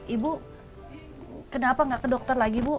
ibu kenapa nggak ke dokter lagi bu